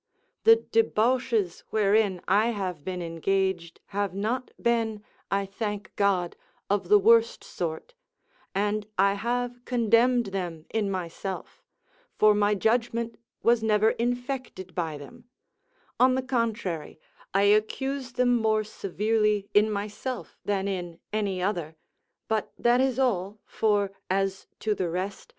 The debauches wherein I have been engaged, have not been, I thank God, of the worst sort, and I have condemned them in myself, for my judgment was never infected by them; on the contrary, I accuse them more severely in myself than in any other; but that is all, for, as to the rest.